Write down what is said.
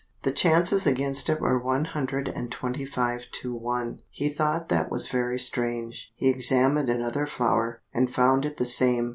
The chances against it were one hundred and twenty five to one. He thought that was very strange. He examined another flower, and found it the same.